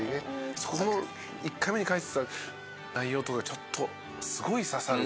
その１回目に書いてた内容とかちょっとすごい刺さる。